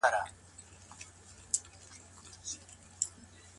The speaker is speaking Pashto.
موږ به په ګډه یو ښه راتلونکی جوړ کړو.